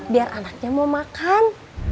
biar anaknya mau makan